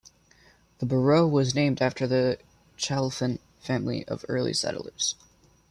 The borough was named after the Chalfant family of early settlers.